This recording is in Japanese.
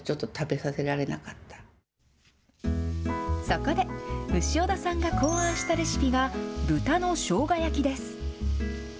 そこで、潮田さんが考案したレシピが豚のしょうが焼きです。